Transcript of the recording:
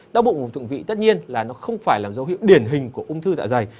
đau bụng ngùng thượng vị tất nhiên là nó không phải là dấu hiệu điển hình của ung thư dạ dày